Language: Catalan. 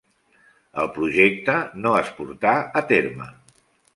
El projecte no es portà a terme.